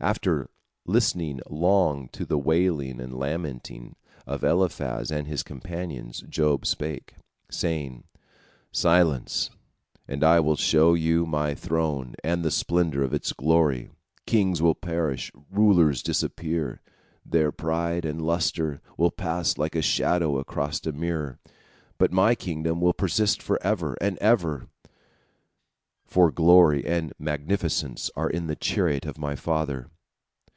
After listening long to the wailing and lamenting of Eliphaz and his companions, Job spake, saying: "Silence, and I will show you my throne and the splendor of its glory. Kings will perish, rulers disappear, their pride and lustre will pass like a shadow across a mirror, but my kingdom will persist forever and ever, for glory and magnificence are in the chariot of my Father."